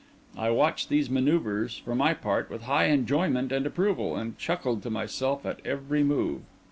I watched these manœuvres, for my part, with high enjoyment and approval, and chuckled to myself at every move.